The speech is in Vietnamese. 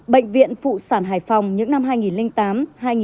bệnh viện phụ sản hải phòng những năm hai nghìn tám hai nghìn một mươi